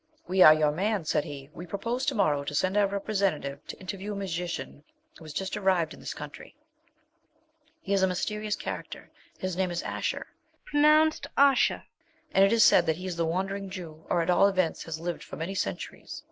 'We are your man,' said he. 'We propose to morrow to send our representative to interview a magician who has just arrived in this country. He is a mysterious character; his name is Asher, and it is said that he is the Wandering Jew, or, at all events, has lived for many centuries.